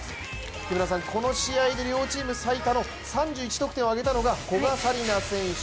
木村さん、この試合で両チーム最多の３１得点挙げたのが古賀紗理那選手。